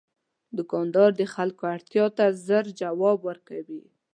دوکاندار د خلکو اړتیا ته ژر ځواب ورکوي.